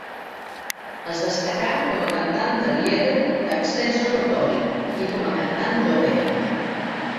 Es destacà com a cantant de lieder d'extens repertori i com a cantant d'òpera.